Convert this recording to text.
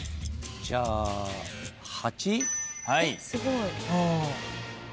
じゃあ８。